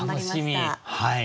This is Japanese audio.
はい。